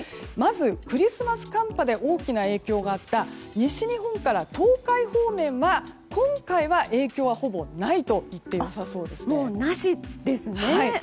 クリスマス寒波で大きな影響があった西日本から東海方面は今回は影響はほぼないといってよさそうです。